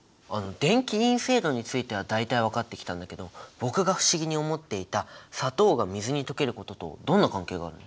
電気陰性度については大体分かってきたんだけど僕が不思議に思っていた砂糖が水に溶けることとどんな関係があるの？